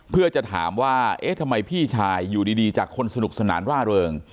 เพื่อจะถามว่าเอ๊ะทำไมพี่ชายอยู่ดีจากคนสนุกสนานร่าเริง